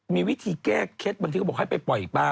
มีวิธีแก้เคล็ดบางทีก็บอกให้ไปปล่อยปลา